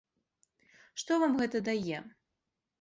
Што вам гэта дае?